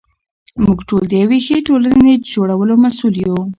موږ ټول د یوې ښې ټولنې د جوړولو مسوول یو.